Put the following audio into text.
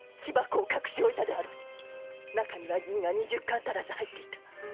中には銀が二十貫足らず入っていた。